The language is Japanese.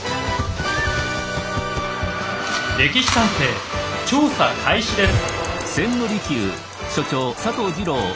「歴史探偵」調査開始です！